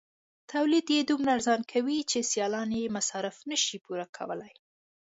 تولید یې دومره ارزانه کوي چې سیالان یې مصارف نشي پوره کولای.